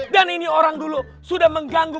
dan ini orang dulu sudah mengganggu